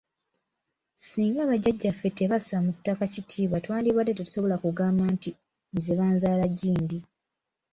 Singa bajjajjaffe tebassa mu ttaka kitiibwa twandibadde tetusobola kugamba nti nze banzaala gindi.